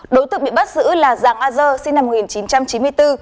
đối tượng bị bắt giữ là giang a giơ sinh năm một nghìn chín trăm chín mươi bốn